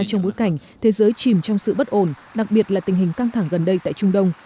trong bối cảnh thế giới chìm trong sự bất ổn đặc biệt là tình hình căng thẳng gần đây tại trung đông